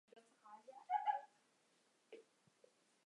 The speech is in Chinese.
五原郡为战国时赵国及秦始皇所置九原郡之东半部。